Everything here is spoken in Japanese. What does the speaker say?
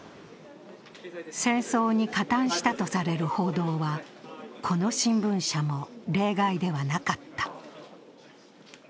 戦争に加担したとされる報道は、この新聞社も例外ではなかった。